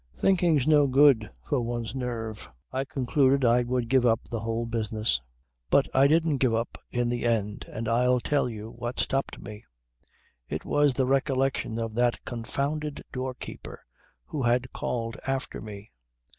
Thinking's no good for one's nerve. I concluded I would give up the whole business. But I didn't give up in the end, and I'll tell you what stopped me. It was the recollection of that confounded doorkeeper who had called after me.